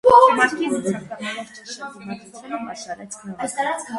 Մարկիզը ցանկանալով ճնշել դիմադրությունը, պաշարեց քաղաքը։